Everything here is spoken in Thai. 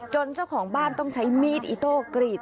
เจ้าของบ้านต้องใช้มีดอิโต้กรีด